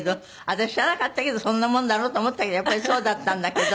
私知らなかったけどそんなもんだろうと思ったけどやっぱりそうだったんだけど。